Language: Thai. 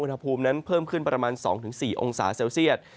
อุณหภูมินั้นเพิ่มขึ้นประมาณ๒๔องศาเซลเซียต